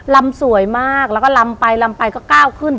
ำสวยมากแล้วก็ลำไปลำไปก็ก้าวขึ้น